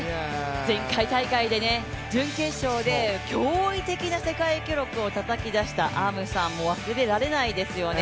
前回大会で準決勝で驚異的な世界記録をたたき出したアムサン、忘れられないですよね。